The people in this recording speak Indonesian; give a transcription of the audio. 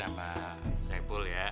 sama saipul ya